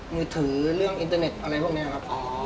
มือถือเรื่องอินเทอร์เน็ตอะไรพวกนี้ครับ